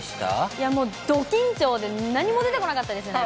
いやもう、ど緊張で何も出てこなかったですね、